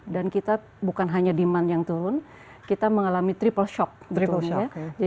dan kita bukan hanya demand yang turun kita mengalami triple shock